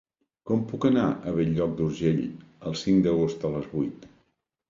Com puc anar a Bell-lloc d'Urgell el cinc d'agost a les vuit?